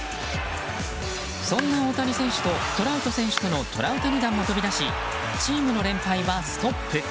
そんな大谷選手とトラウト選手とのトラウタニ弾が飛び出しチームの連敗はストップ。